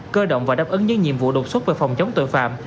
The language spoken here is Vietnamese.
cơ động và đáp ứng những nhiệm vụ đột xuất về phòng chống tội phạm